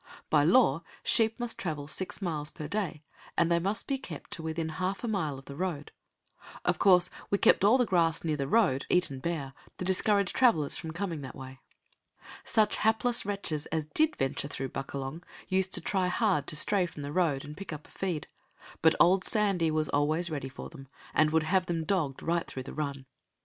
By law, sheep must travel six miles per day, and they must be kept to within half a mile of the road. Of course we kept all the grass near the road eaten bare, to discourage travellers from coming that way. Such hapless wretches as did venture through Buckalong used to try hard to stray from the road and pick up a feed, but old Sandy was always ready for them, and would have them dogged right through the run.